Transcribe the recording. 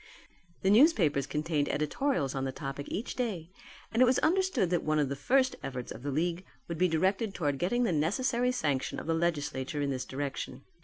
The newspapers contained editorials on the topic each day and it was understood that one of the first efforts of the league would be directed towards getting the necessary sanction of the legislature in this direction.